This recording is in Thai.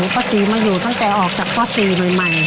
ป๊าสีมาอยู่ตั้งแต่ออกจากป๊าสีหน่วยใหม่